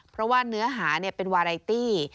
เพราะว่าเนื้อหาเป็นวาไรตี้